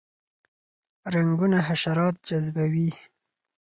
رنګونه حشرات جذبوي